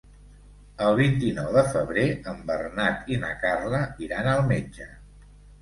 El vint-i-nou de febrer en Bernat i na Carla iran al metge.